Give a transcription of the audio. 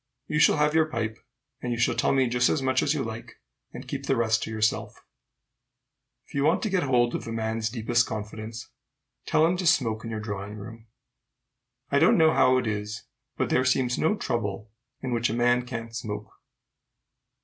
You shall have your pipe, and you shall tell me just as much as you like, and keep the rest to yourself." If you want to get hold of a man's deepest confidence, tell him to smoke in your drawing room. I don't know how it is, but there seems no trouble in which a man can't smoke.